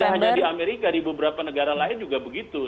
tidak hanya di amerika di beberapa negara lain juga begitu